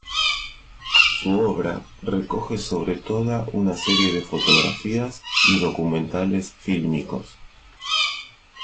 Su obra recoge sobre toda una serie de fotografías y documentales fílmicos.